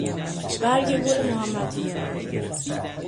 برگ گلمحمدی